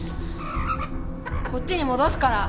こっちに戻すから。